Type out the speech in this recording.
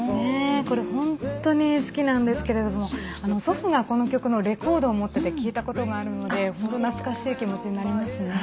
これ、本当に好きなんですけれども祖父がこの曲のレコードを持ってて聴いたことがあるので、本当懐かしい気持ちになりますね。